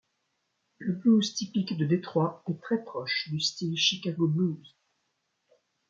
Le blues typique de Detroit est très proche du style Chicago blues.